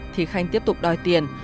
thì khanh tiếp tục đòi tiền